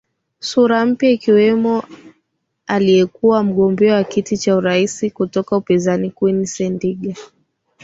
Sura mpya akiwemo aliyekuwa mgombea wa kiti cha urais kutoka upinzani Queen Sendiga